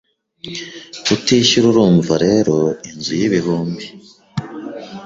tutishyura urumva rero inzu y’ibihumbi